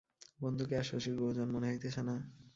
বন্ধুকে আর শশীর গুরুজন মনে হইতেছে না।